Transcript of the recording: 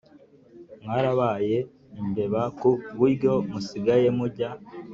mwarabaye imbeba kuburyo musigaye mujya